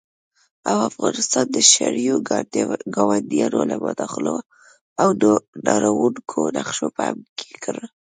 او افغانستان د شريرو ګاونډيو له مداخلو او نړوونکو نقشو په امن کې کړو